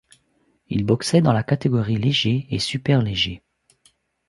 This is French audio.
Il boxait dans les catégories légers et super-légers.